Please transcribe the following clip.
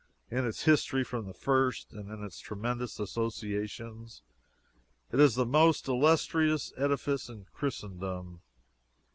In its history from the first, and in its tremendous associations, it is the most illustrious edifice in Christendom.